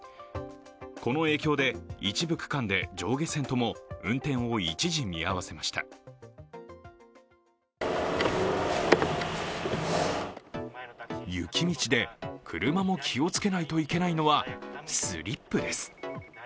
この影響で一部区間で上下線とも運転を一時見合わせました雪道で、車も気をつけないといけないのはスリップです。